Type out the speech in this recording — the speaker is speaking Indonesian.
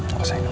gak usah nek